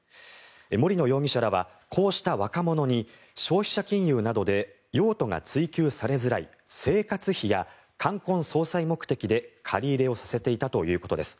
森野容疑者らはこうした若者に消費者金融などで用途が追及されづらい生活費や冠婚葬祭目的で借り入れをさせていたということです。